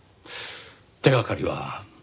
手掛かりは。